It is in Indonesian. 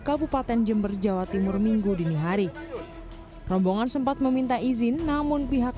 kabupaten jember jawa timur minggu dini hari rombongan sempat meminta izin namun pihak